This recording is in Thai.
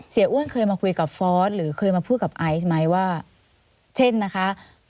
อ้วนเคยมาคุยกับฟอสหรือเคยมาพูดกับไอซ์ไหมว่าเช่นนะคะ